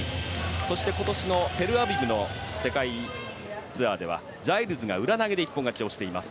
そして、今年のテルアビブの世界ツアーではジャイルズが裏投げで一本勝ちをしています。